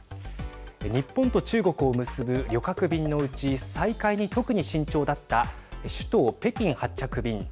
日本と中国を結ぶ旅客便のうち再開に特に慎重だった首都、北京発着便。